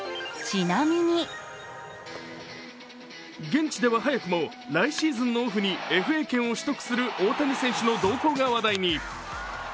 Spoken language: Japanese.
現地では早くも来シーズンのオフにＦＡ権を取得する大谷選手の動向が話題に。